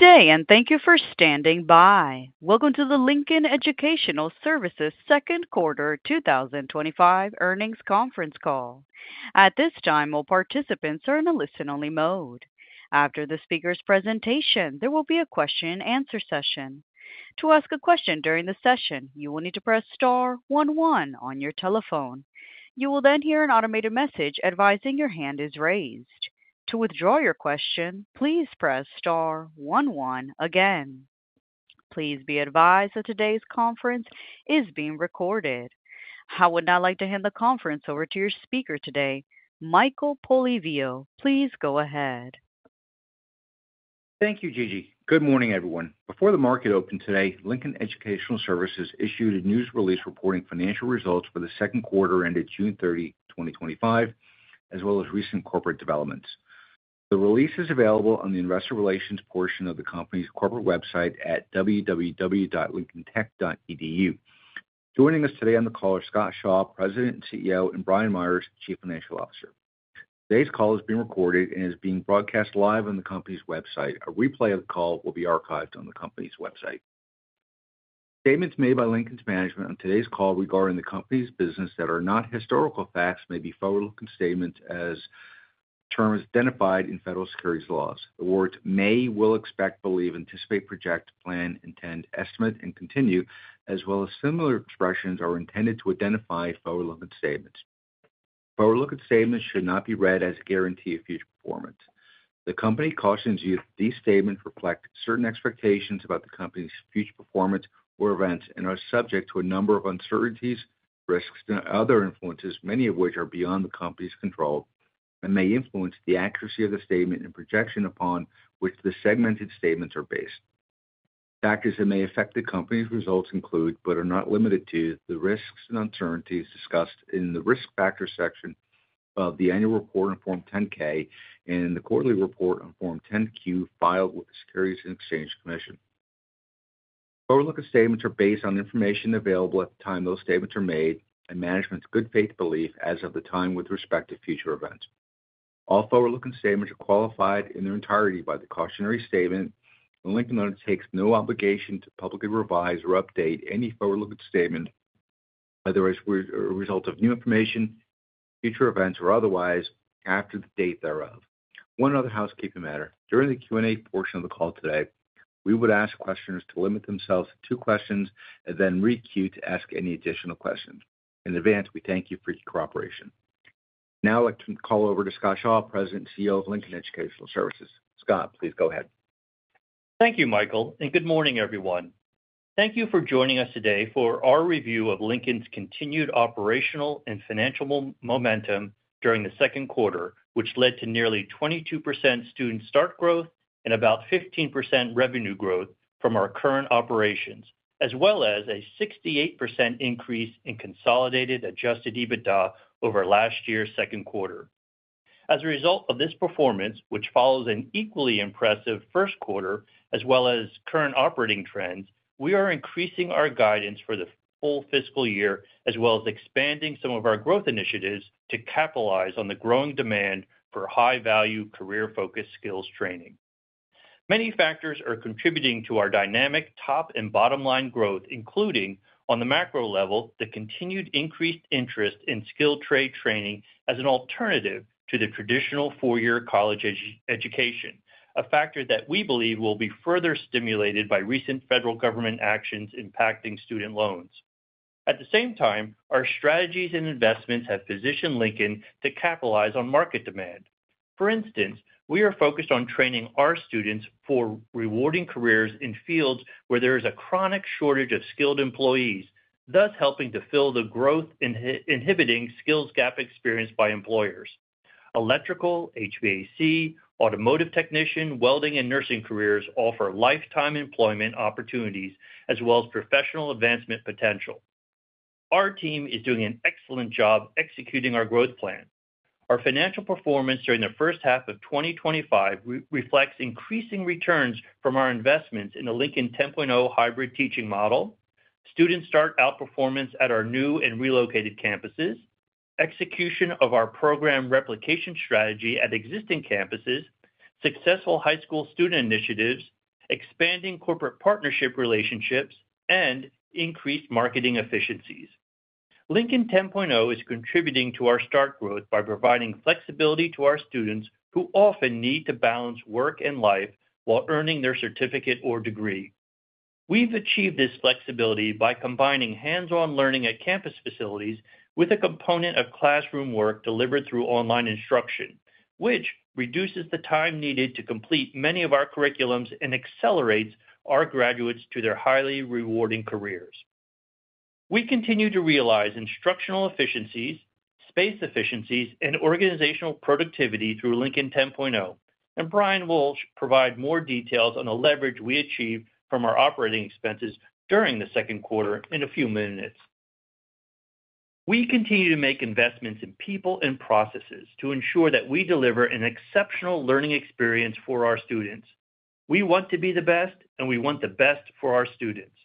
Today, and thank you for standing by. Welcome to the Lincoln Educational Services Second Quarter 2025 Earnings Conference Call. At this time, all participants are in a listen-only mode. After the speaker's presentation, there will be a question and answer session. To ask a question during the session, you will need to press star one one on your telephone. You will then hear an automated message advising your hand is raised. To withdraw your question, please press star one one again. Please be advised that today's conference is being recorded. I would now like to hand the conference over to your speaker today, Michael Polyviou. Please go ahead. Thank you, Gigi. Good morning, everyone. Before the market opened today, Lincoln Educational Services issued a news release reporting financial results for the second quarter ended June 30, 2025, as well as recent corporate developments. The release is available on the investor relations portion of the company's corporate website at www.lincolntech.edu. Joining us today on the call are Scott Shaw, President and CEO, and Brian Meyers, Chief Financial Officer. Today's call is being recorded and is being broadcast live on the company's website. A replay of the call will be archived on the company's website. Statements made by Lincoln's management on today's call regarding the company's business that are not historical facts may be forward-looking statements as terms identified in federal securities laws. The words "may," "will," "expect," "believe," "anticipate," "project," "plan," "intend," "estimate," and "continue," as well as similar expressions, are intended to identify forward-looking statements. Forward-looking statements should not be read as a guarantee of future performance. The company cautions you that these statements reflect certain expectations about the company's future performance or events and are subject to a number of uncertainties, risks, and other influences, many of which are beyond the company's control and may influence the accuracy of the statement and projection upon which the segmented statements are based. Factors that may affect the company's results include, but are not limited to, the risks and uncertainties discussed in the risk factors section of the annual report on Form 10-K and the quarterly report on Form 10-Q filed with the Securities and Exchange Commission. Forward-looking statements are based on the information available at the time those statements are made and management's good faith belief as of the time with respect to future events. All forward-looking statements are qualified in their entirety by the cautionary statement, and Lincoln undertakes no obligation to publicly revise or update any forward-looking statement, whether as a result of new information, future events, or otherwise, after the date thereof. One other housekeeping matter. During the Q&A portion of the call today, we would ask questioners to limit themselves to two questions and then re-queue to ask any additional questions. In advance, we thank you for your cooperation. Now I'd like to call over to Scott Shaw, President and CEO of Lincoln Educational Services. Scott, please go ahead. Thank you, Michael, and good morning, everyone. Thank you for joining us today for our review of Lincoln's continued operational and financial momentum during the second quarter, which led to nearly 22% student start growth and about 15% revenue growth from our current operations, as well as a 68% increase in consolidated adjusted EBITDA over last year's second quarter. As a result of this performance, which follows an equally impressive first quarter, as well as current operating trends, we are increasing our guidance for the full fiscal year, as well as expanding some of our growth initiatives to capitalize on the growing demand for high-value career-focused skills training. Many factors are contributing to our dynamic top and bottom line growth, including, on the macro level, the continued increased interest in skilled trade training as an alternative to the traditional four-year college education, a factor that we believe will be further stimulated by recent federal government actions impacting student loans. At the same time, our strategies and investments have positioned Lincoln to capitalize on market demand. For instance, we are focused on training our students for rewarding careers in fields where there is a chronic shortage of skilled employees, thus helping to fill the growth inhibiting skills gap experienced by employers. Electrical, HVAC, Automotive Technician, Welding, and Nursing careers offer lifetime employment opportunities, as well as professional advancement potential. Our team is doing an excellent job executing our growth plan. Our financial performance during the first half of 2025 reflects increasing returns from our investments in the Lincoln 10.0 hybrid teaching model, student start outperformance at our new and relocated campuses, execution of our program replication strategy at existing campuses, successful high school student initiatives, expanding corporate partnership relationships, and increased marketing efficiencies. Lincoln 10.0 is contributing to our start growth by providing flexibility to our students who often need to balance work and life while earning their certificate or degree. We've achieved this flexibility by combining hands-on learning at campus facilities with a component of classroom work delivered through online instruction, which reduces the time needed to complete many of our curriculums and accelerates our graduates to their highly rewarding careers. We continue to realize instructional efficiencies, space efficiencies, and organizational productivity through Lincoln 10.0, and Brian provides more details on the leverage we achieve from our operating expenses during the second quarter in a few minutes. We continue to make investments in people and processes to ensure that we deliver an exceptional learning experience for our students. We want to be the best, and we want the best for our students.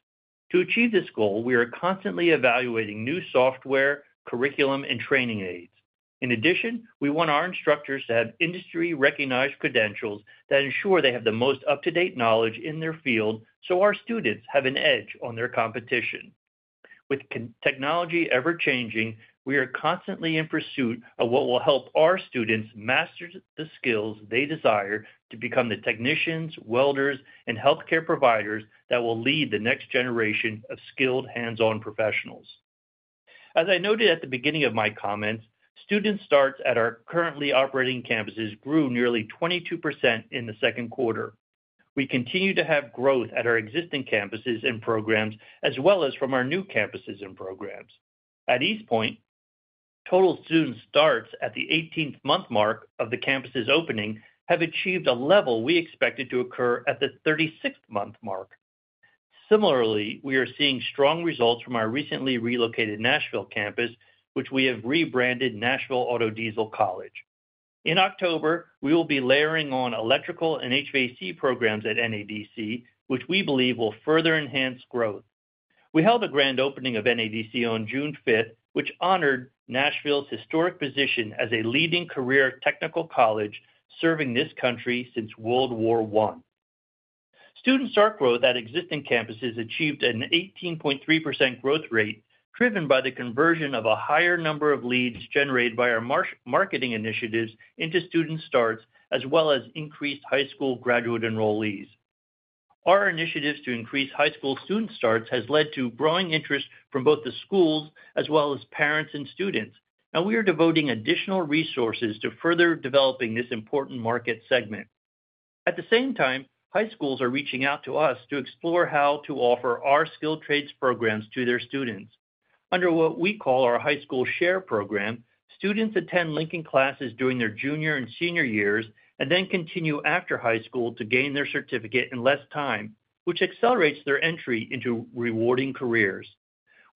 To achieve this goal, we are constantly evaluating new software, curriculum, and training aids. In addition, we want our instructors to have industry-recognized credentials that ensure they have the most up-to-date knowledge in their field so our students have an edge on their competition. With technology ever-changing, we are constantly in pursuit of what will help our students master the skills they desire to become the technicians, welders, and healthcare providers that will lead the next generation of skilled hands-on professionals. As I noted at the beginning of my comments, student starts at our currently operating campuses grew nearly 22% in the second quarter. We continue to have growth at our existing campuses and programs, as well as from our new campuses and programs. At East Point, total student starts at the 18th month mark of the campus's opening have achieved a level we expected to occur at the 36th month mark. Similarly, we are seeing strong results from our recently relocated Nashville campus, which we have rebranded Nashville Auto-Diesel College. In October, we will be layering on electrical and HVAC programs at NADC, which we believe will further enhance growth. We held a grand opening of NADC on June 5th, which honored Nashville's historic position as a leading career technical college serving this country since World War I. Student start growth at existing campuses achieved an 18.3% growth rate, driven by the conversion of a higher number of leads generated by our marketing initiatives into student starts, as well as increased high school graduate enrollees. Our initiatives to increase high school student starts have led to growing interest from both the schools as well as parents and students, and we are devoting additional resources to further developing this important market segment. At the same time, high schools are reaching out to us to explore how to offer our skilled trades programs to their students. Under what we call our high school share program, students attend Lincoln classes during their junior and senior years and then continue after high school to gain their certificate in less time, which accelerates their entry into rewarding careers.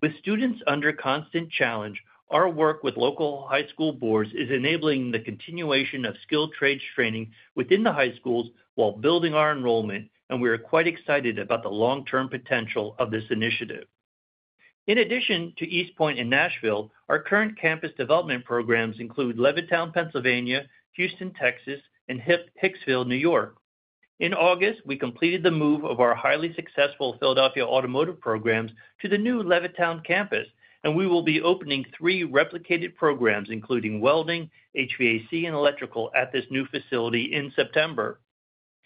With students under constant challenge, our work with local high school boards is enabling the continuation of skilled trades training within the high schools while building our enrollment, and we are quite excited about the long-term potential of this initiative. In addition to East Point and Nashville, our current campus development programs include Levittown, Pennsylvania, Houston, Texas, and Hicksville, New York. In August, we completed the move of our highly successful Philadelphia Automotive programs to the new Levittown campus, and we will be opening three replicated programs, including Welding, HVAC, and Electrical at this new facility in September.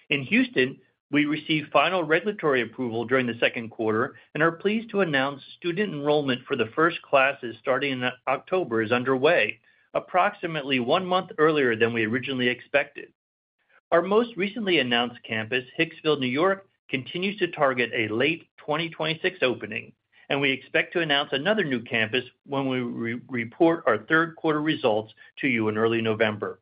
In Houston, we received final regulatory approval during the second quarter and are pleased to announce student enrollment for the first classes starting in October is underway, approximately one month earlier than we originally expected. Our most recently announced campus, Hicksville, New York, continues to target a late 2026 opening, and we expect to announce another new campus when we report our third quarter results to you in early November.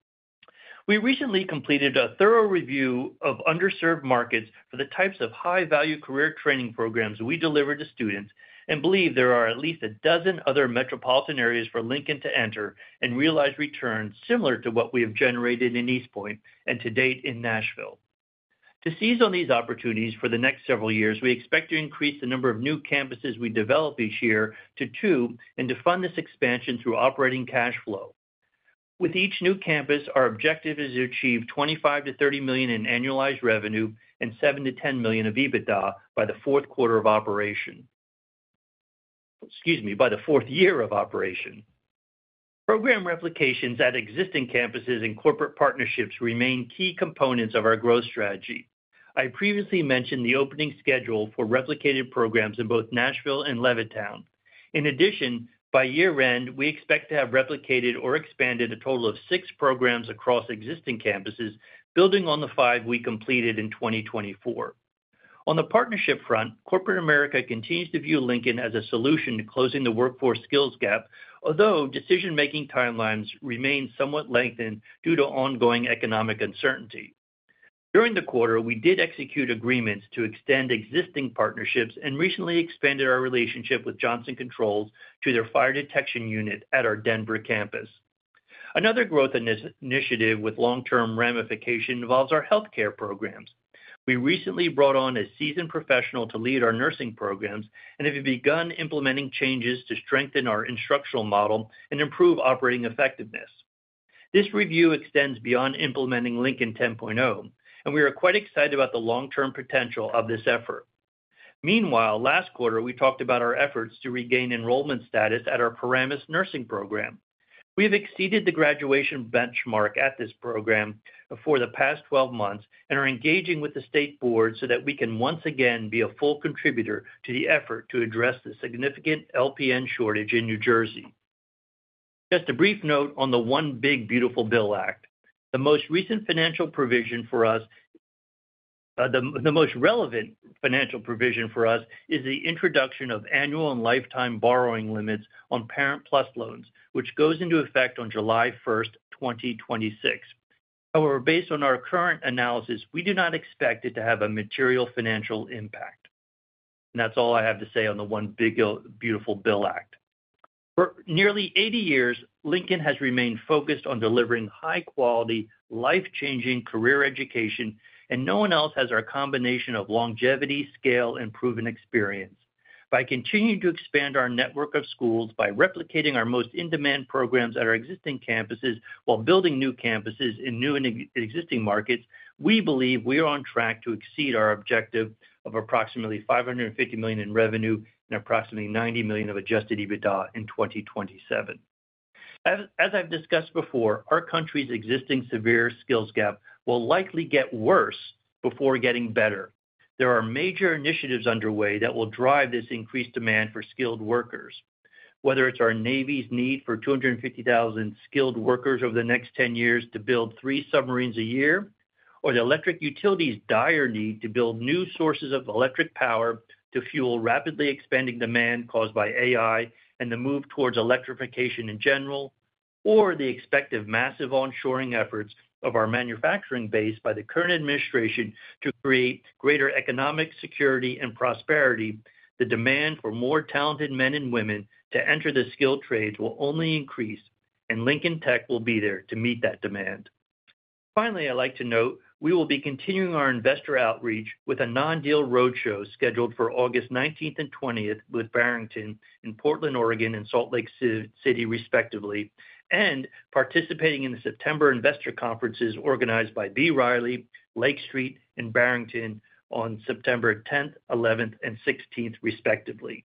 We recently completed a thorough review of underserved markets for the types of high-value career training programs we deliver to students and believe there are at least a dozen other metropolitan areas for Lincoln to enter and realize returns similar to what we have generated in East Point and to date in Nashville. To seize on these opportunities for the next several years, we expect to increase the number of new campuses we develop each year to two and to fund this expansion through operating cash flow. With each new campus, our objective is to achieve $25 million-$30 million in annualized revenue and $7 million-$10 million of EBITDA by the fourth year of operation. Program replications at existing campuses and corporate partnerships remain key components of our growth strategy. I previously mentioned the opening schedule for replicated programs in both Nashville and Levittown. In addition, by year-end, we expect to have replicated or expanded a total of six programs across existing campuses, building on the five we completed in 2024. On the partnership front, corporate America continues to view Lincoln as a solution to closing the workforce skills gap, although decision-making timelines remain somewhat lengthened due to ongoing economic uncertainty. During the quarter, we did execute agreements to extend existing partnerships and recently expanded our relationship with Johnson Controls to their fire detection unit at our Denver campus. Another growth initiative with long-term ramification involves our Healthcare programs. We recently brought on a seasoned professional to lead our Nursing programs and have begun implementing changes to strengthen our instructional model and improve operating effectiveness. This review extends beyond implementing Lincoln 10.0, and we are quite excited about the long-term potential of this effort. Last quarter, we talked about our efforts to regain enrollment status at our Paramus Nursing program. We have exceeded the graduation benchmark at this program for the past 12 months and are engaging with the state board so that we can once again be a full contributor to the effort to address the significant LPN shortage in New Jersey. Just a brief note on the One Big Beautiful Bill Act. The most recent financial provision for us, the most relevant financial provision for us, is the introduction of annual and lifetime borrowing limits on Parent PLUS Loans, which goes into effect on July 1st, 2026. However, based on our current analysis, we do not expect it to have a material financial impact. That's all I have to say on the One Big Beautiful Bill Act. For nearly 80 years, Lincoln has remained focused on delivering high-quality, life-changing career education, and no one else has our combination of longevity, scale, and proven experience. By continuing to expand our network of schools, by replicating our most in-demand programs at our existing campuses, while building new campuses in new and existing markets, we believe we are on track to exceed our objective of approximately $550 million in revenue and approximately $90 million of adjusted EBITDA in 2027. As I've discussed before, our country's existing severe skills gap will likely get worse before getting better. There are major initiatives underway that will drive this increased demand for skilled workers. Whether it's our Navy's need for 250,000 skilled workers over the next 10 years to build three submarines a year, or the electric utilities' dire need to build new sources of electric power to fuel rapidly expanding demand caused by AI and the move towards electrification in general, or the expected massive onshoring efforts of our manufacturing base by the current administration to create greater economic security and prosperity, the demand for more talented men and women to enter the skilled trades will only increase, and Lincoln Tech will be there to meet that demand. Finally, I'd like to note we will be continuing our investor outreach with a non-deal roadshow scheduled for August 19th and 20th with Barrington in Portland, Oregon, and Salt Lake City, respectively, and participating in the September investor conferences organized by B. Riley, Lake Street, and Barrington on September 10th, 11th, and 16th, respectively.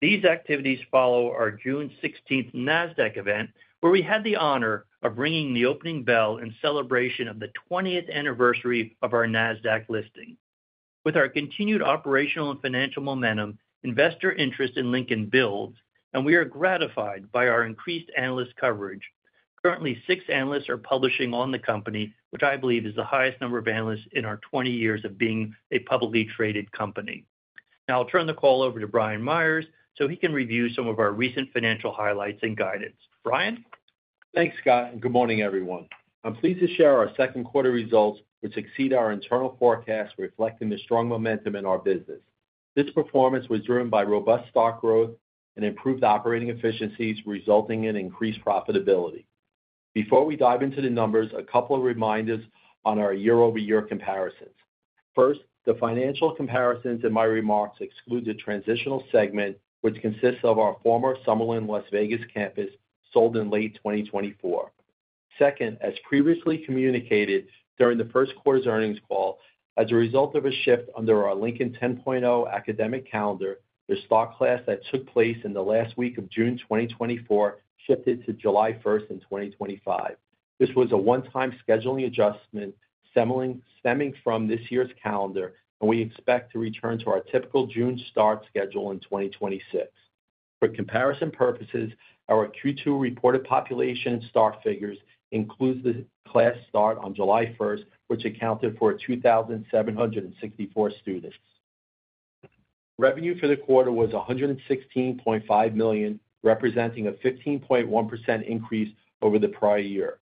These activities follow our June 16th NASDAQ event, where we had the honor of ringing the opening bell in celebration of the 20th anniversary of our NASDAQ listing. With our continued operational and financial momentum, investor interest in Lincoln (build), and we are gratified by our increased analyst coverage. Currently, six analysts are publishing on the company, which I believe is the highest number of analysts in our 20 years of being a publicly traded company. Now I'll turn the call over to Brian Meyers so he can review some of our recent financial highlights and guidance. Brian? Thanks, Scott, and good morning, everyone. I'm pleased to share our second quarter results, which exceed our internal forecast, reflecting the strong momentum in our business. This performance was driven by robust student start growth and improved operating efficiencies, resulting in increased profitability. Before we dive into the numbers, a couple of reminders on our year-over-year comparisons. First, the financial comparisons in my remarks exclude the transitional segment, which consists of our former Summerlin, Las Vegas campus sold in late 2024. Second, as previously communicated during the first quarter's earnings call, as a result of a shift under our Lincoln 10.0 hybrid teaching model academic calendar, the student start class that took place in the last week of June 2024 shifted to July 1st in 2025. This was a one-time scheduling adjustment stemming from this year's calendar, and we expect to return to our typical June start schedule in 2026. For comparison purposes, our Q2 reported population and student start figures include the class start on July 1st, which accounted for 3,764 students. Revenue for the quarter was $116.5 million, representing a 15.1% increase over the prior year.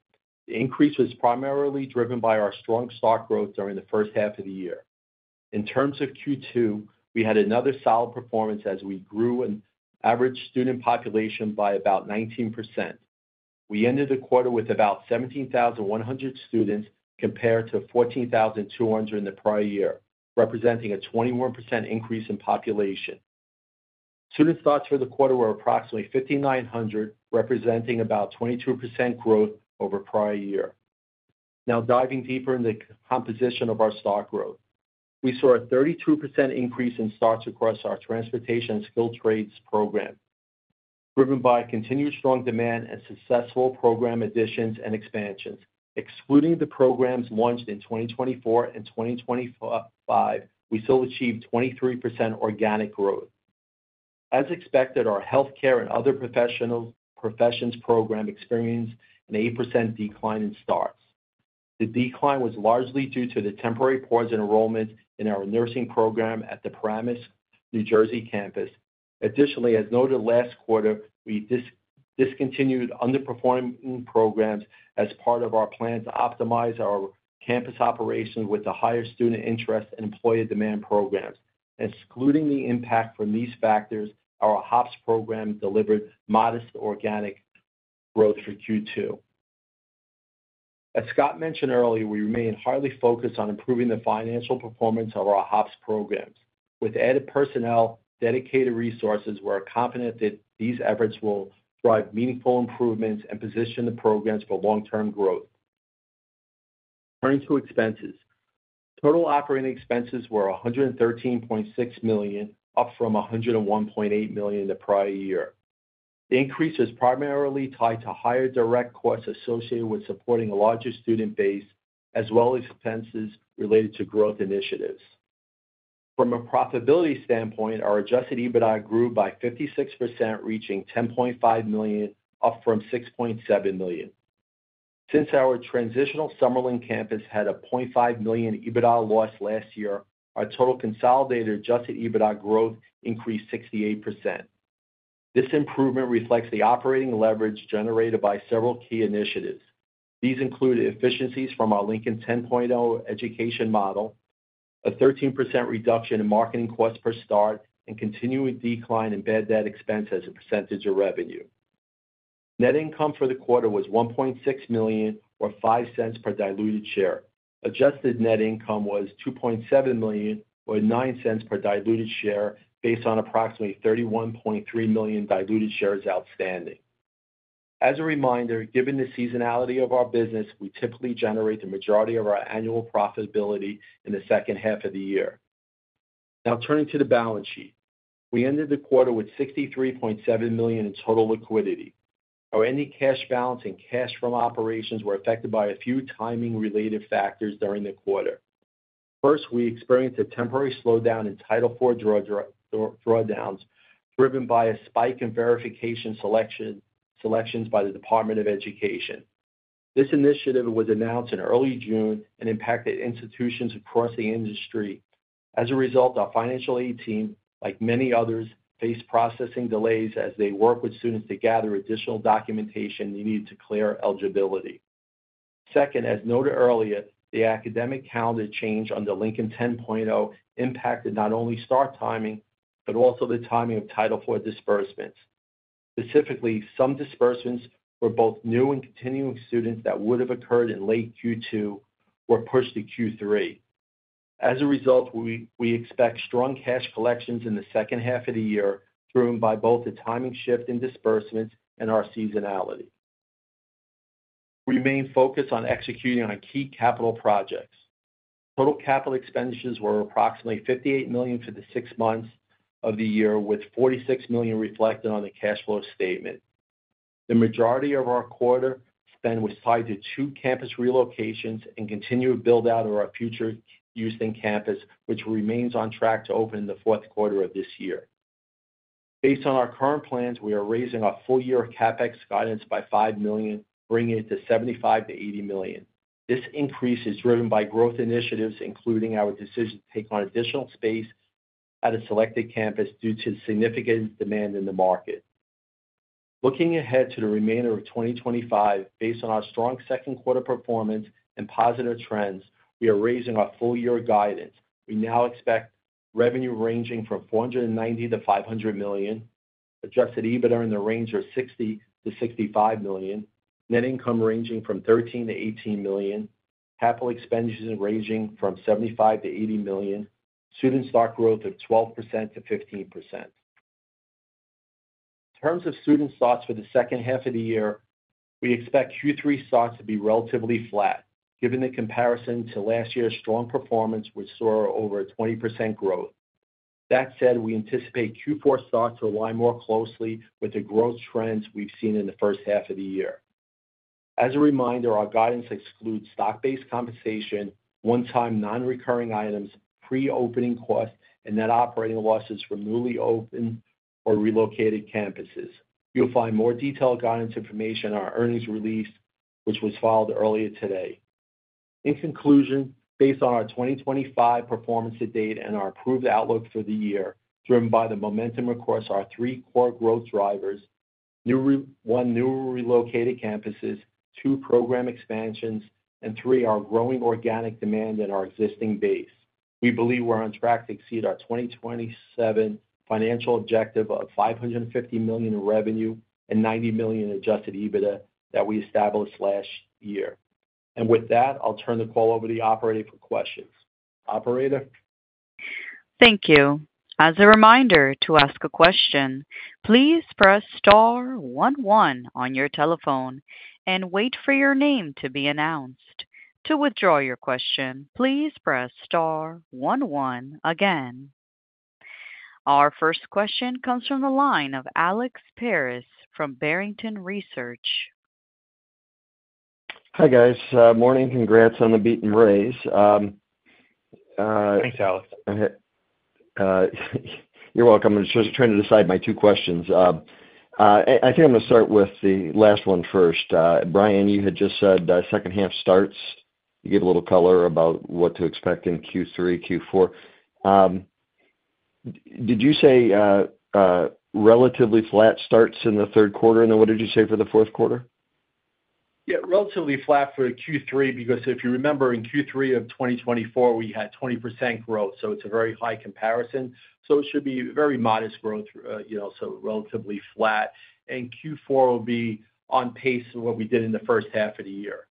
The increase was primarily driven by our strong student start growth during the first half of the year. In terms of Q2, we had another solid performance as we grew an average student population by about 19%. We ended the quarter with about 17,100 students compared to 14,200 in the prior year, representing a 21% increase in population. Student starts for the quarter were approximately 5,900, representing about 22% growth over the prior year. Now diving deeper into the composition of our student start growth, we saw a 32% increase in starts across our Transportation and Skilled Trades programs. Driven by continued strong demand and successful program additions and expansions, excluding the programs launched in 2024 and 2025, we still achieved 23% organic growth. As expected, our Healthcare and Other Professions programs experienced an 8% decline in starts. The decline was largely due to the temporary pause in enrollment in our Nursing program at the Paramus, New Jersey campus. Additionally, as noted last quarter, we discontinued underperforming programs as part of our plan to optimize our campus operations with a higher student interest and employee demand programs. Excluding the impact from these factors, our Healthcare and Other Professions programs delivered modest organic growth for Q2. As Scott mentioned earlier, we remain highly focused on improving the financial performance of our Healthcare and Other Professions programs. With added personnel and dedicated resources, we are confident that these efforts will drive meaningful improvements and position the programs for long-term growth. Turning to expenses, total operating expenses were $113.6 million, up from $101.8 million in the prior year. The increase is primarily tied to higher direct costs associated with supporting a larger student base, as well as expenses related to growth initiatives. From a profitability standpoint, our adjusted EBITDA grew by 56%, reaching $10.5 million, up from $6.7 million. Since our transitional Summerlin campus had a $0.5 million EBITDA loss last year, our total consolidated adjusted EBITDA growth increased 68%. This improvement reflects the operating leverage generated by several key initiatives. These include efficiencies from our Lincoln 10.0 hybrid teaching model, a 13% reduction in marketing costs per start, and a continuing decline in bad debt expense as a percentage of revenue. Net income for the quarter was $1.6 million or $0.05 per diluted share. Adjusted net income was $2.7 million or $0.09 per diluted share, based on approximately 31.3 million diluted shares outstanding. As a reminder, given the seasonality of our business, we typically generate the majority of our annual profitability in the second half of the year. Now turning to the balance sheet, we ended the quarter with $63.7 million in total liquidity. Our ending cash balance and cash flow from operations were affected by a few timing-related factors during the quarter. First, we experienced a temporary slowdown in Title IV drawdowns, driven by a spike in verification selections by the Department of Education. This initiative was announced in early June and impacted institutions across the industry. As a result, our financial aid team, like many others, faced processing delays as they worked with students to gather additional documentation needed to clear eligibility. Second, as noted earlier, the academic calendar change under Lincoln 10.0 impacted not only start timing but also the timing of Title IV disbursements. Specifically, some disbursements for both new and continuing students that would have occurred in late Q2 were pushed to Q3. As a result, we expect strong cash collections in the second half of the year, driven by both the timing shift in disbursements and our seasonality. We remain focused on executing on key capital projects. Total capital expenditures were approximately $58 million for the six months of the year, with $46 million reflected on the cash flow statement. The majority of our quarter spend was tied to two campus relocations and continued build-out of our future Houston campus, which remains on track to open in the fourth quarter of this year. Based on our current plans, we are raising our full-year capital expenditures guidance by $5 million, bringing it to $75 million-$80 million. This increase is driven by growth initiatives, including our decision to take on additional space at a selected campus due to significant demand in the market. Looking ahead to the remainder of 2025, based on our strong second quarter performance and positive trends, we are raising our full-year guidance. We now expect revenue ranging from $490 million-$500 million, adjusted EBITDA in the range of $60 million-$65 million, net income ranging from $13 million-$18 million, capital expenditures ranging from $75 million-$80 million, and student start growth of 12% to 15%. In terms of student starts for the second half of the year, we expect Q3 starts to be relatively flat, given the comparison to last year's strong performance, which saw over a 20% growth. That said, we anticipate Q4 starts to align more closely with the growth trends we've seen in the first half of the year. As a reminder, our guidance excludes stock-based compensation, one-time non-recurring items, pre-opening costs, and net operating losses for newly opened or relocated campuses. You'll find more detailed guidance information in our earnings release, which was filed earlier today. In conclusion, based on our 2025 performance to date and our approved outlook for the year, driven by the momentum across our three core growth drivers: one, new relocated campuses; two, program expansions; and three, our growing organic demand in our existing base, we believe we're on track to exceed our 2027 financial objective of $550 million in revenue and $90 million in adjusted EBITDA that we established last year. With that, I'll turn the call over to the operator for questions. Operator? Thank you. As a reminder, to ask a question, please press star one one on your telephone and wait for your name to be announced. To withdraw your question, please press star one one again. Our first question comes from the line of Alex Paris from Barrington Research. Hi guys, morning and congrats on the beat and raise. Thanks, Alex. You're welcome. I'm just trying to decide my two questions. I think I'm going to start with the last one first. Brian, you had just said second half starts. You gave a little color about what to expect in Q3, Q4. Did you say relatively flat starts in the third quarter? What did you say for the fourth quarter? Yeah, relatively flat for Q3 because if you remember in Q3 of 2024, we had 20% growth, so it's a very high comparison. It should be very modest growth, you know, so relatively flat. Q4 will be on pace of what we did in the first half of the year.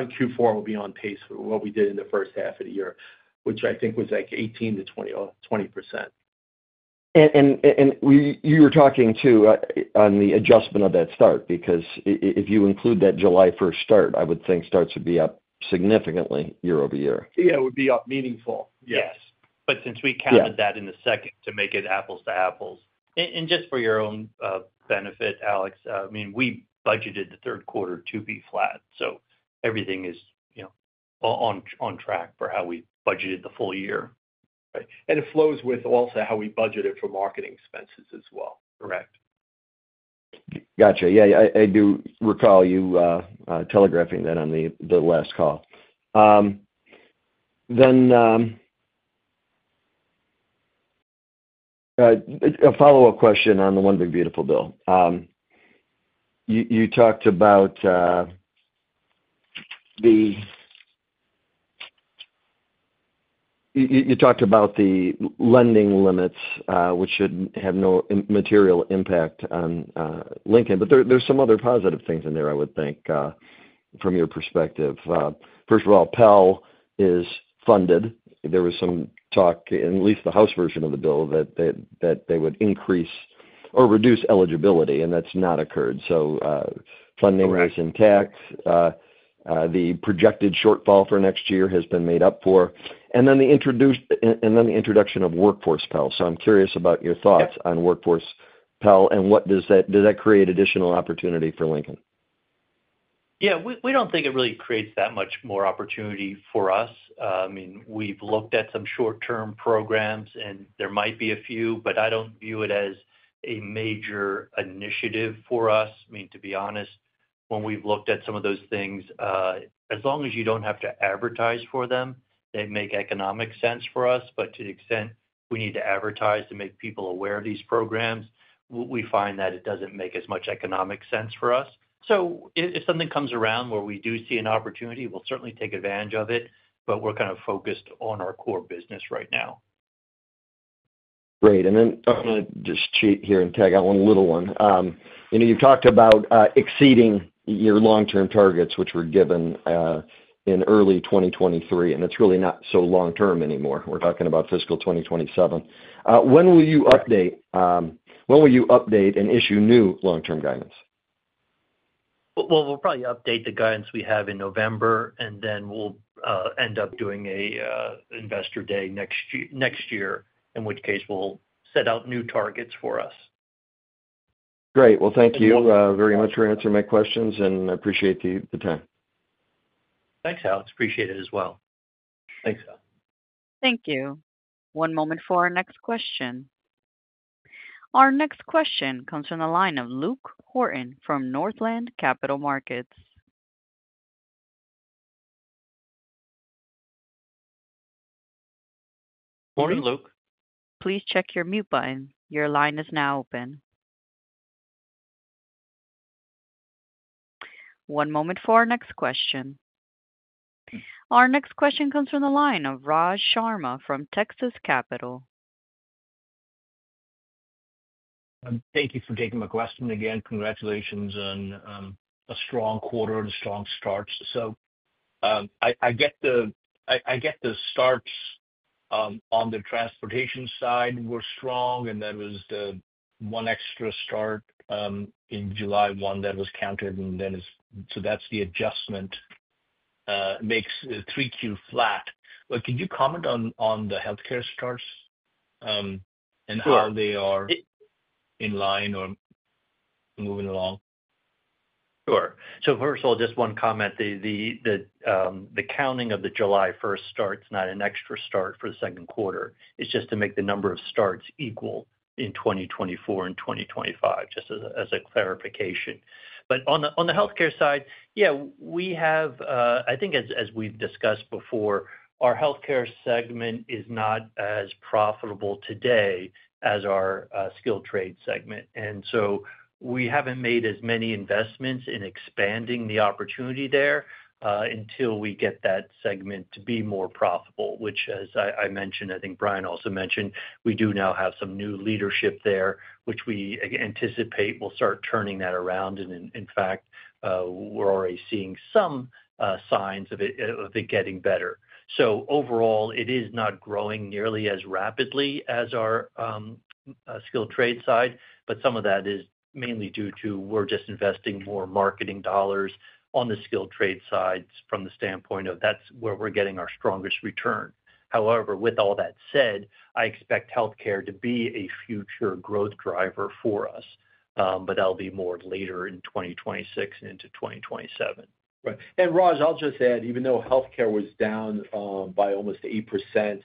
Q4 will be on pace with what we did in the first half of the year, which I think was like 18%-20%. You were talking too on the adjustment of that start, because if you include that July 1st start, I would think starts would be up significantly year-over-year. Yeah, it would be up meaningful. Yes. Since we counted that in the second to make it apples to apples. Just for your own benefit, Alex, I mean, we budgeted the third quarter to be flat. Everything is, you know, on track for how we budgeted the full year. It flows with also how we budgeted for marketing expenses as well. Correct. Gotcha. Yeah, I do recall you telegraphing that on the last call. Then a follow-up question on the One Big Beautiful Bill. You talked about the lending limits, which should have no material impact on Lincoln, but there's some other positive things in there, I would think, from your perspective. First of all, Pell Grant is funded. There was some talk in at least the House version of the bill that they would increase or reduce eligibility, and that's not occurred. Funding is intact. The projected shortfall for next year has been made up for. The introduction of workforce Pell Grant, I'm curious about your thoughts on workforce Pell Grant and what does that create additional opportunity for Lincoln? Yeah, we don't think it really creates that much more opportunity for us. I mean, we've looked at some short-term programs and there might be a few, but I don't view it as a major initiative for us. To be honest, when we've looked at some of those things, as long as you don't have to advertise for them, they make economic sense for us. To the extent we need to advertise to make people aware of these programs, we find that it doesn't make as much economic sense for us. If something comes around where we do see an opportunity, we'll certainly take advantage of it, but we're kind of focused on our core business right now. Great. I'm going to just cheat here and tag out one little one. You know, you've talked about exceeding your long-term targets, which were given in early 2023, and it's really not so long-term anymore. We're talking about fiscal 2027. When will you update and issue new long-term guidance? We will probably update the guidance we have in November, and then we will end up doing an investor day next year, in which case we will set out new targets for us. Great. Thank you very much for answering my questions, and I appreciate the time. Thanks, Alex. Appreciate it as well. Thanks, Al. Thank you. One moment for our next question. Our next question comes from the line of Luke Horton from Northland Capital Markets. Morning, Luke. Please check your mute button. Your line is now open. One moment for our next question. Our next question comes from the line of Raj Sharma from Texas Capital. Thank you for taking my question again. Congratulations on a strong quarter and strong starts. I get the starts on the Transportation and Skilled Trades programs side were strong, and that was the one extra start in July 1 that was counted. That adjustment makes 3Q flat. Can you comment on the Healthcare and Other Professions programs starts and how they are in line or moving along? Sure. First of all, just one comment. The counting of the July 1st start is not an extra start for the second quarter. It's just to make the number of starts equal in 2024 and 2025, just as a clarification. On the Healthcare side, we have, I think as we've discussed before, our Healthcare segment is not as profitable today as our skilled trade segment. We haven't made as many investments in expanding the opportunity there until we get that segment to be more profitable, which, as I mentioned, I think Brian also mentioned, we do now have some new leadership there, which we anticipate will start turning that around. In fact, we're already seeing some signs of it getting better. Overall, it is not growing nearly as rapidly as our skilled trade side, but some of that is mainly due to we're just investing more marketing dollars on the skilled trade side from the standpoint of that's where we're getting our strongest return. However, with all that said, I expect Healthcare to be a future growth driver for us, but that'll be more later in 2026 and into 2027. Raj, I'll just add, even though Healthcare was down by almost 8%,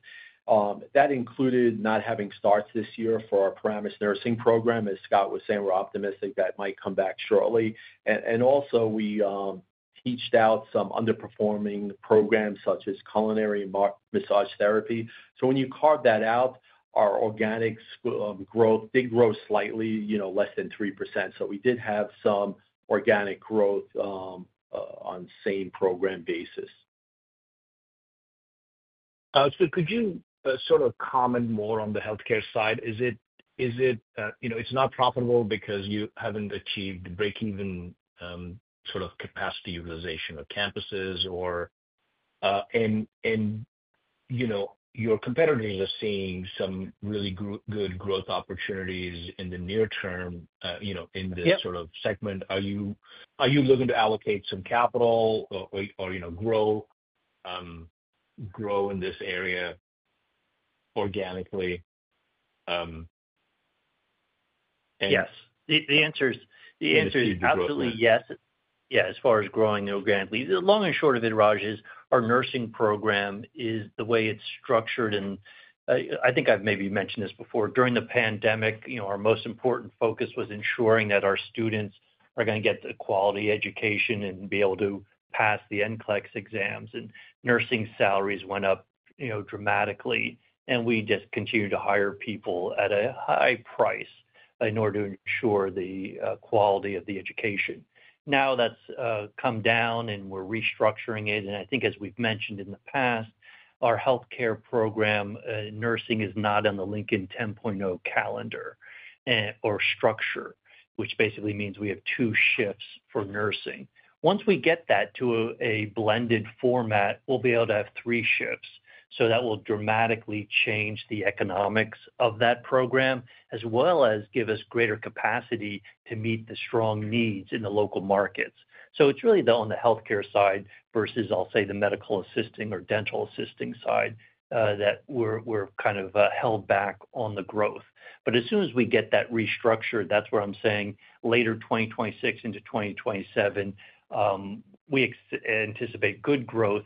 that included not having starts this year for our Paramus Nursing program. As Scott was saying, we're optimistic that might come back shortly. We also taught out some underperforming programs such as culinary massage therapy. When you carve that out, our organic growth did grow slightly, less than 3%. We did have some organic growth on the same program basis. Could you sort of comment more on the Healthcare side? Is it, you know, it's not profitable because you haven't achieved break-even sort of capacity utilization of campuses, or your competitors are seeing some really good growth opportunities in the near term, you know, in this sort of segment. Are you looking to allocate some capital or, you know, grow in this area organically? Yes. The answer is absolutely yes. As far as growing organically, the long and short of it, Raj, is our Nursing program is the way it's structured. I think I've maybe mentioned this before. During the pandemic, our most important focus was ensuring that our students are going to get the quality education and be able to pass the NCLEX exams. Nursing salaries went up, you know, dramatically. We just continued to hire people at a high price in order to ensure the quality of the education. Now that's come down and we're restructuring it. I think, as we've mentioned in the past, our Healthcare program Nursing is not on the Lincoln 10.0 hybrid teaching model calendar or structure, which basically means we have two shifts for Nursing. Once we get that to a blended format, we'll be able to have three shifts. That will dramatically change the economics of that program, as well as give us greater capacity to meet the strong needs in the local markets. It's really on the Healthcare side versus, I'll say, the medical assisting or dental assisting side that we're kind of held back on the growth. As soon as we get that restructured, that's where I'm saying later 2026 into 2027, we anticipate good growth.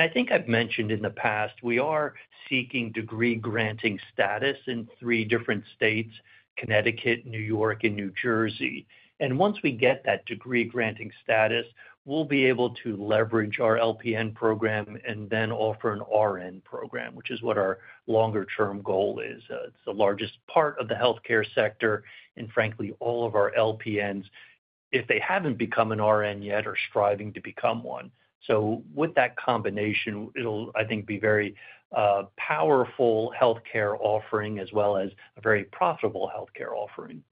I think I've mentioned in the past, we are seeking degree-granting status in three different states: Connecticut, New York, and New Jersey. Once we get that degree-granting status, we'll be able to leverage our LPN program and then offer an RN program, which is what our longer-term goal is. It's the largest part of the Healthcare sector and, frankly, all of our LPNs, if they haven't become an RN yet, are striving to become one. With that combination, it'll, I think, be a very powerful Healthcare offering, as well as a very profitable Healthcare offering.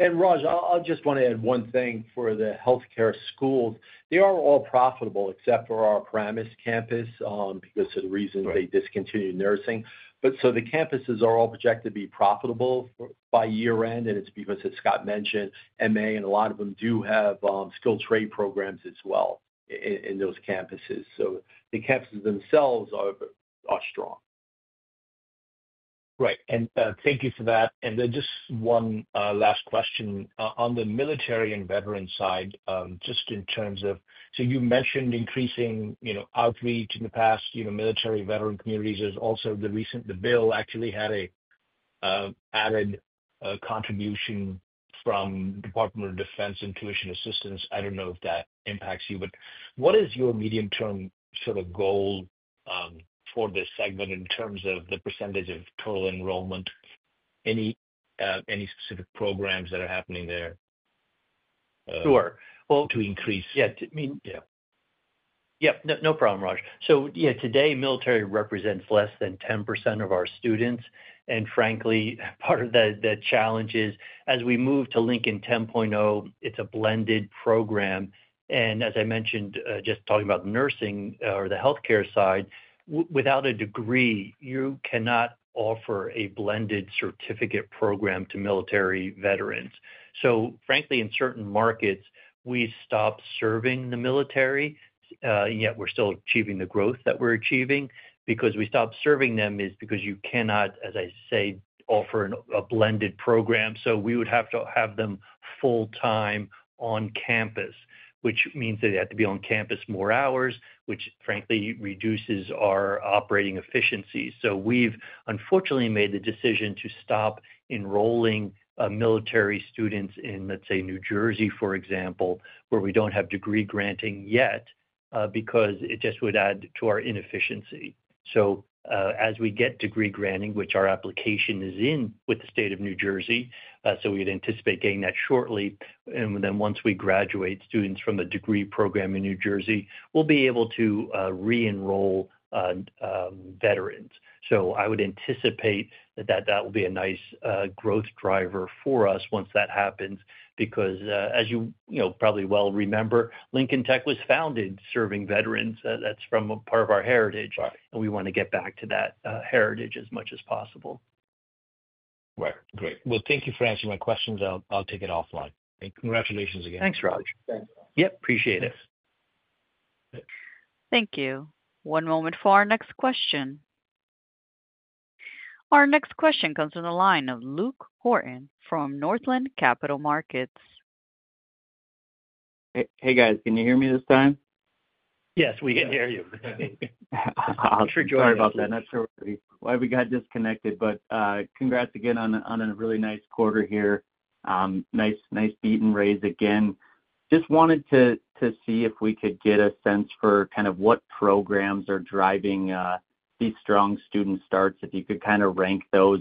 Raj, I just want to add one thing for the Healthcare schools. They are all profitable except for our Paramus campus because of the reasons they discontinued Nursing. The campuses are all projected to be profitable by year-end, and it's because, as Scott mentioned, MA, and a lot of them do have skilled trade programs as well in those campuses. The campuses themselves are strong. Right. Thank you for that. Just one last question on the military and veteran side, in terms of, you mentioned increasing outreach in the past, military and veteran communities. There's also the recent bill that actually had an added contribution from the Department of Defense and tuition assistance. I don't know if that impacts you, but what is your medium-term sort of goal for this segment in terms of the percentage of total enrollment? Any specific programs that are happening there? Sure. Well. To increase. Yeah, no problem, Raj. Today, military represents less than 10% of our students. Frankly, part of the challenge is, as we move to Lincoln 10.0, it's a Blended program. As I mentioned, just talking about Nursing or the Healthcare side, without a degree, you cannot offer a blended certificate program to military veterans. In certain markets, we've stopped serving the military, yet we're still achieving the growth that we're achieving. The reason we stopped serving them is because you cannot, as I say, offer a blended program. We would have to have them full-time on campus, which means that they have to be on campus more hours, which frankly reduces our operating efficiency. We've unfortunately made the decision to stop enrolling military students in, let's say, New Jersey, for example, where we don't have degree-granting status yet, because it just would add to our inefficiency. As we get degree-granting status, which our application is in with the state of New Jersey, we'd anticipate getting that shortly. Once we graduate students from the degree program in New Jersey, we'll be able to re-enroll veterans. I would anticipate that that will be a nice growth driver for us once that happens, because as you probably well remember, Lincoln Tech was founded serving veterans. That's part of our heritage, and we want to get back to that heritage as much as possible. Right. Great. Thank you for answering my questions. I'll take it offline. Congratulations again. Thanks, Raj. Appreciate it. Thank you. One moment for our next question. Our next question comes from the line of Luke Horton from Northland Capital Markets. Hey guys, can you hear me this time? Yes, we can hear you. I'm sure (Joey's) back. Sorry about that. I'm not sure why we got disconnected, but congrats again on a really nice quarter here. Nice beat and raise again. Just wanted to see if we could get a sense for kind of what programs are driving these strong student starts, if you could kind of rank those.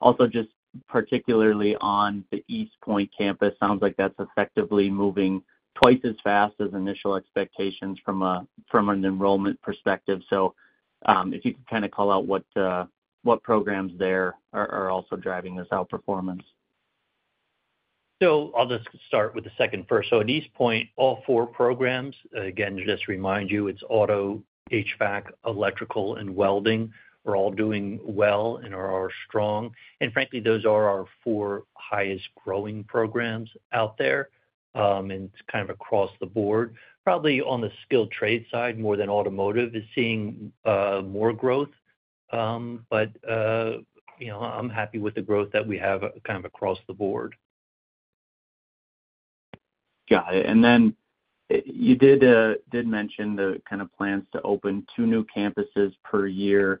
Also, just particularly on the East Point campus, it sounds like that's effectively moving twice as fast as initial expectations from an enrollment perspective. If you could kind of call out what programs there are also driving this outperformance. I'll just start with the second first. At East Point, all four programs, again, just to remind you, it's Automotive, HVAC, Electrical, and Welding, are all doing well and are strong. Frankly, those are our four highest growing programs out there. It's kind of across the board. Probably on the skilled trade side, more than Automotive, is seeing more growth. You know, I'm happy with the growth that we have kind of across the board. Got it. You did mention the kind of plans to open two new campuses per year.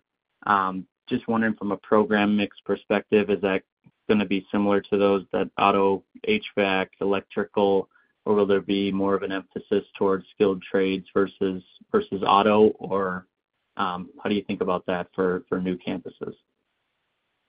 Just wondering from a program mix perspective, is that going to be similar to those that Automotive, HVAC, Electrical, or will there be more of an emphasis towards skilled trades versus Automotive? How do you think about that for new campuses?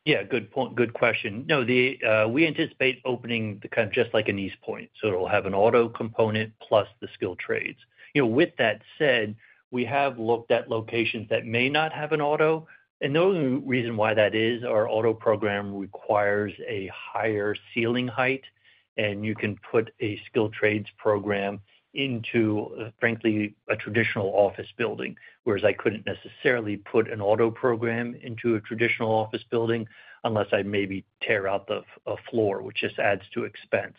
Yeah, good point. Good question. No, we anticipate opening the kind of just like in East Point. It'll have an auto component plus the skilled trades. With that said, we have looked at locations that may not have an auto. The only reason why that is, our auto program requires a higher ceiling height. You can put a skilled trades program into, frankly, a traditional office building, whereas I couldn't necessarily put an auto program into a traditional office building unless I maybe tear out a floor, which just adds to expense.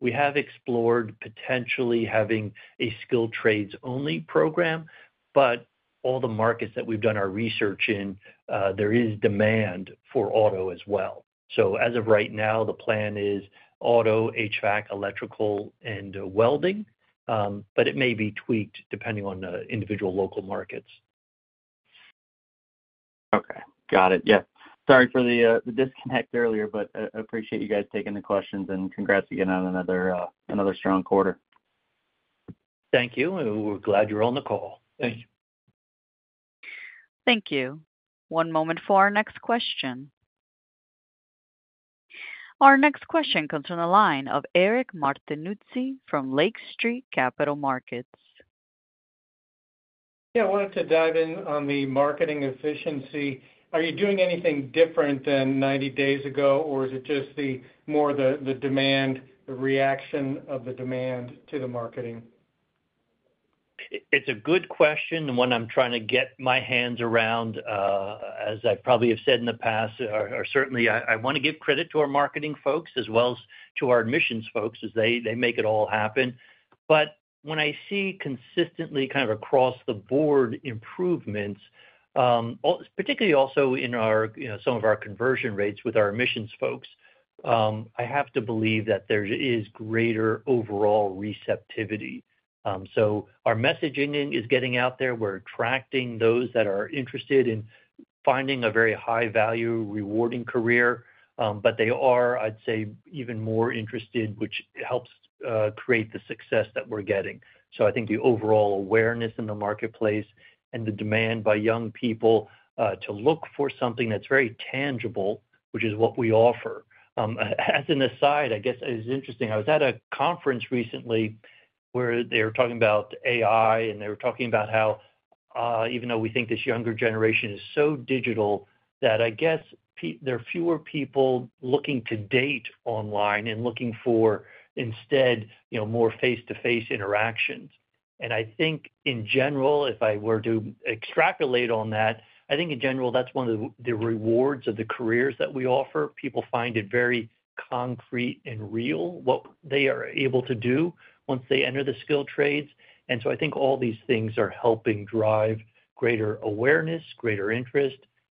We have explored potentially having a skilled trades only program, but all the markets that we've done our research in, there is demand for auto as well. As of right now, the plan is Automotive, HVAC, Electrical, and Welding, but it may be tweaked depending on the individual local markets. Okay, got it. Sorry for the disconnect earlier, but I appreciate you guys taking the questions, and congrats again on another strong quarter. Thank you. We're glad you're on the call. Thank you. Thank you. One moment for our next question. Our next question comes from the line of Eric Martinuzzi from Lake Street Capital Markets. Yeah, I wanted to dive in on the marketing efficiency. Are you doing anything different than 90 days ago, or is it just more the demand, the reaction of the demand to the marketing? It's a good question. The one I'm trying to get my hands around, as I probably have said in the past, are certainly, I want to give credit to our marketing folks as well as to our admissions folks as they make it all happen. When I see consistently kind of across the board improvements, particularly also in our, you know, some of our conversion rates with our admissions folks, I have to believe that there is greater overall receptivity. Our messaging is getting out there. We're attracting those that are interested in finding a very high-value, rewarding career. They are, I'd say, even more interested, which helps create the success that we're getting. I think the overall awareness in the marketplace and the demand by young people to look for something that's very tangible, which is what we offer. As an aside, I guess it's interesting. I was at a conference recently where they were talking about AI and they were talking about how, even though we think this younger generation is so digital, that I guess there are fewer people looking to date online and looking for instead, you know, more face-to-face interactions. I think in general, if I were to extrapolate on that, I think in general, that's one of the rewards of the careers that we offer. People find it very concrete and real, what they are able to do once they enter the skilled trades. I think all these things are helping drive greater awareness, greater interest,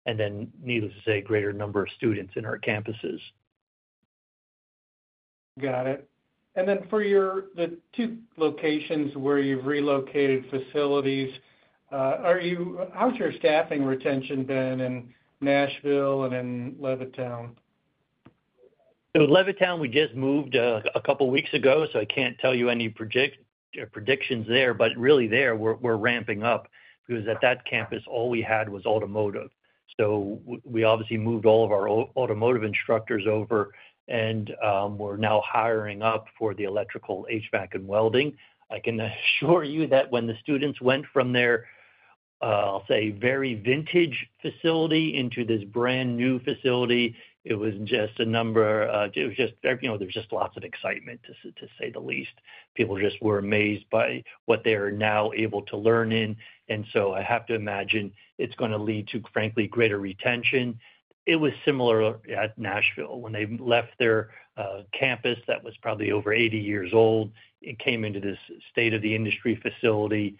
and then needless to say, a greater number of students in our campuses. Got it. For the two locations where you've relocated facilities, how's your staffing retention been in Nashville and in Levittown? Levittown, we just moved a couple of weeks ago, so I can't tell you any predictions there, but really there, we're ramping up because at that campus, all we had was automotive. We obviously moved all of our automotive instructors over and we're now hiring up for the Electrical, HVAC, and Welding. I can assure you that when the students went from their, I'll say, very vintage facility into this brand new facility, it was just a number, it was just, you know, there's just lots of excitement, to say the least. People just were amazed by what they're now able to learn in. I have to imagine it's going to lead to, frankly, greater retention. It was similar at Nashville when they left their campus that was probably over 80 years old. It came into this state-of-the-industry facility.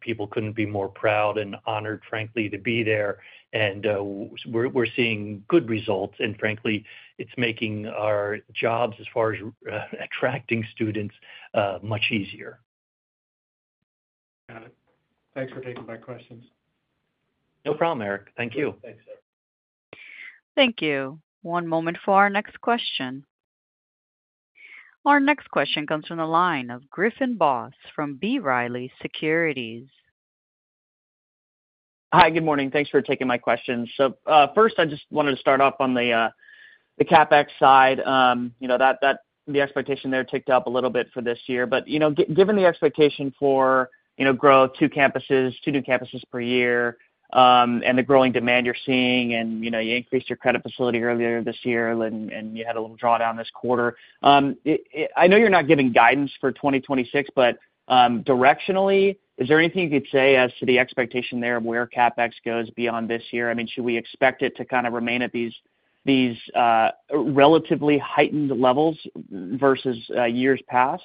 People couldn't be more proud and honored, frankly, to be there. We're seeing good results, and frankly, it's making our jobs as far as attracting students much easier. Got it. Thanks for taking my questions. No problem, Eric. Thank you. Thank you. One moment for our next question. Our next question comes from the line of Griffin Boss from B. Riley Securities. Hi, good morning. Thanks for taking my questions. First, I just wanted to start off on the CapEx side. The expectation there ticked up a little bit for this year. Given the expectation for, you know, grow two campuses, two new campuses per year, and the growing demand you're seeing, and you increased your credit facility earlier this year, and you had a little drawdown this quarter, I know you're not giving guidance for 2026, but directionally, is there anything you could say as to the expectation there of where CapEx goes beyond this year? I mean, should we expect it to kind of remain at these relatively heightened levels versus years past?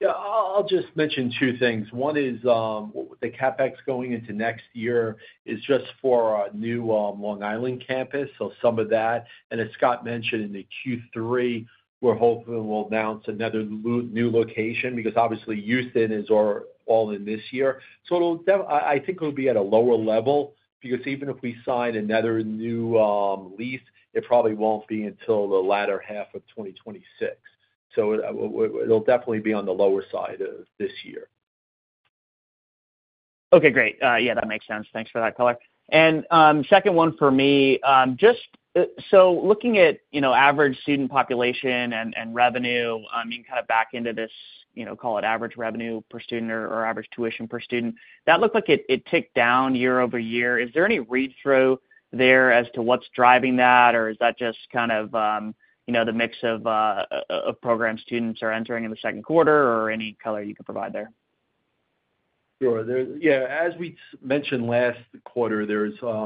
Yeah, I'll just mention two things. One is the capital expenditures going into next year is just for our new Long Island campus. Some of that, and as Scott mentioned in the Q3, we're hoping we'll announce another new location because obviously Houston is all in this year. I think it'll be at a lower level because even if we sign another new lease, it probably won't be until the latter half of 2026. It'll definitely be on the lower side of this year. Okay, great. That makes sense. Thanks for that, Meyer. Second one for me, just looking at average student population and revenue, I mean, kind of back into this, call it average revenue per student or average tuition per student, that looked like it ticked down year-over-year. Is there any read-through there as to what's driving that, or is that just the mix of program students are entering in the second quarter, or any color you could provide there? Sure. Yeah, as we mentioned last quarter,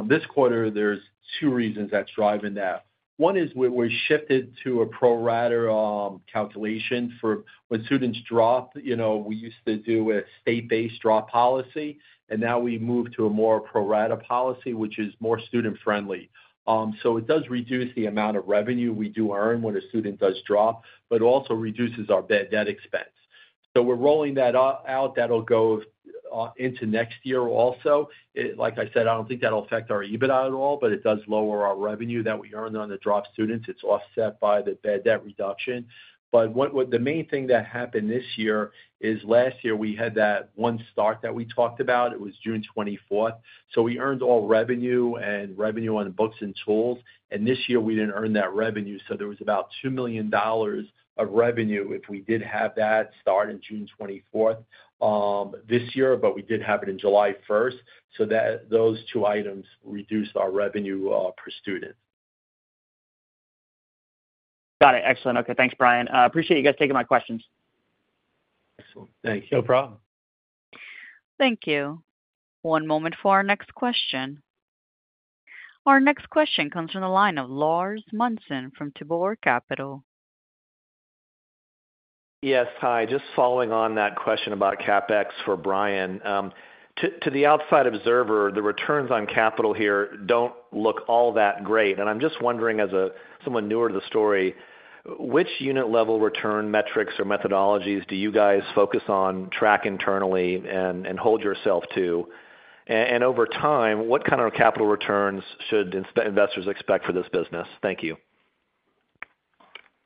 this quarter, there's two reasons that's driving that. One is we've shifted to a pro-rata calculation for when students drop. You know, we used to do a state-based drop policy, and now we moved to a more pro-rata policy, which is more student-friendly. It does reduce the amount of revenue we do earn when a student does drop, but it also reduces our bad net expense. We're rolling that out. That'll go into next year also. Like I said, I don't think that'll affect our EBITDA at all, but it does lower our revenue that we earn on the drop students. It's offset by the bad net reduction. The main thing that happened this year is last year we had that one start that we talked about. It was June 24th, so we earned all revenue and revenue on books and tools. This year we didn't earn that revenue. There was about $2 million of revenue if we did have that start on June 24th this year, but we did have it on July 1st. Those two items reduced our revenue per student. Got it. Excellent. Okay, thanks, Brian. I appreciate you guys taking my questions. Thanks. No problem. Thank you. One moment for our next question. Our next question comes from the line of Lars Munson from Tibor Capital. Yes, hi. Just following on that question about CapEx for Brian. To the outside observer, the returns on capital here don't look all that great. I'm just wondering, as someone newer to the story, which unit level return metrics or methodologies do you guys focus on, track internally, and hold yourself to? Over time, what kind of capital returns should investors expect for this business? Thank you.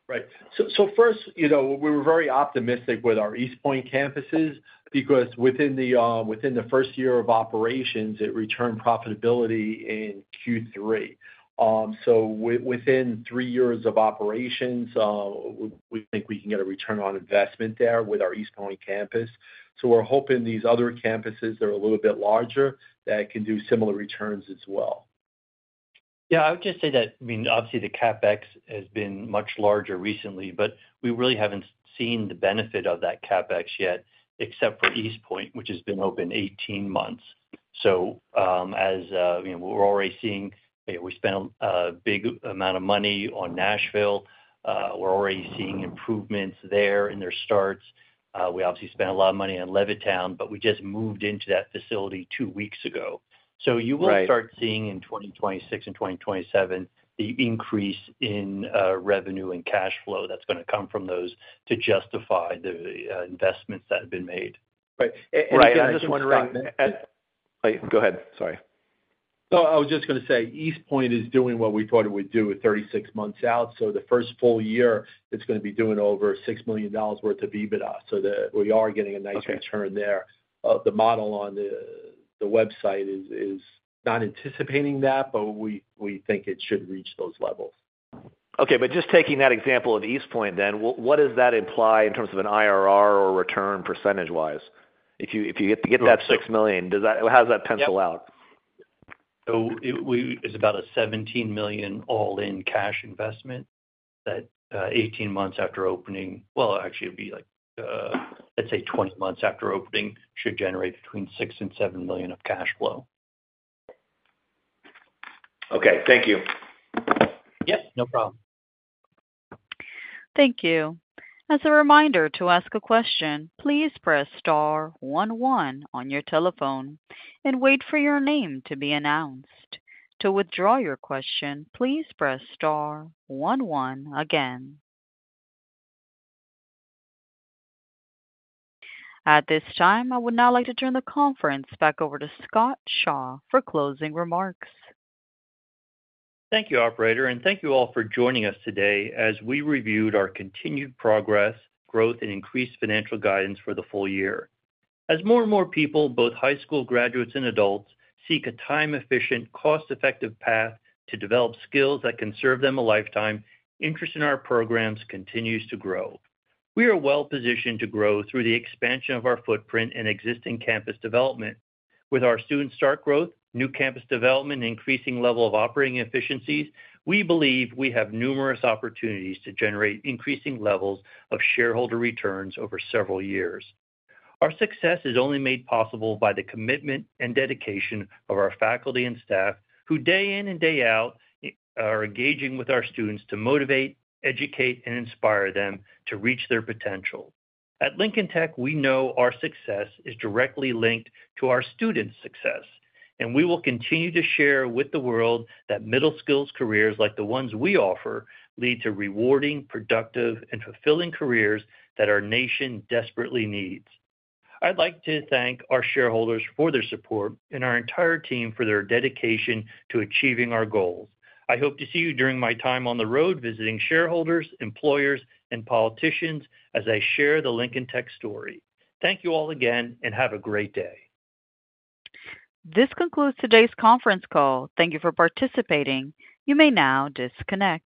Right. First, we were very optimistic with our East Point campus because within the first year of operations, it returned profitability in Q3. Within three years of operations, we think we can get a return on investment there with our East Point campus. We're hoping these other campuses that are a little bit larger can do similar returns as well. Yeah, I would just say that, I mean, obviously the CapEx has been much larger recently, but we really haven't seen the benefit of that CapEx yet, except for East Point, which has been open 18 months. As we're already seeing, we spent a big amount of money on Nashville. We're already seeing improvements there in their starts. We obviously spent a lot of money on Levittown, but we just moved into that facility two weeks ago. You will start seeing in 2026 and 2027 the increase in revenue and cash flow that's going to come from those to justify the investments that have been made. Right. I'm just wondering, go ahead, sorry. Oh. East Point is doing what we thought it would do at 36 months out. The first full year, it's going to be doing over $6 million worth of EBITDA. We are getting a nice return there. The model on the website is not anticipating that, but we think it should reach those levels. Okay, just taking that example of East Point, what does that imply in terms of an IRR or return percentage? If you get that $6 million, how does that pencil out? It's about a $17 million all-in cash investment that 18 months after opening, actually it'd be like, let's say 20 months after opening, should generate between $6 million and $7 million of cash flow. Okay, thank you. Yep, no problem. Thank you. As a reminder, to ask a question, please press star one one on your telephone and wait for your name to be announced. To withdraw your question, please press star one one again. At this time, I would now like to turn the conference back over to Scott Shaw for closing remarks. Thank you, Operator, and thank you all for joining us today as we reviewed our continued progress, growth, and increased financial guidance for the full year. As more and more people, both high school graduates and adults, seek a time-efficient, cost-effective path to develop skills that can serve them a lifetime, interest in our programs continues to grow. We are well positioned to grow through the expansion of our footprint and existing campus development. With our student start growth, new campus development, and increasing level of operating efficiencies, we believe we have numerous opportunities to generate increasing levels of shareholder returns over several years. Our success is only made possible by the commitment and dedication of our faculty and staff, who day in and day out are engaging with our students to motivate, educate, and inspire them to reach their potential. At Lincoln Tech, we know our success is directly linked to our students' success, and we will continue to share with the world that middle skills careers like the ones we offer lead to rewarding, productive, and fulfilling careers that our nation desperately needs. I'd like to thank our shareholders for their support and our entire team for their dedication to achieving our goal. I hope to see you during my time on the road visiting shareholders, employers, and politicians as I share the Lincoln Tech's story. Thank you all again and have a great day. This concludes today's conference call. Thank you for participating. You may now disconnect.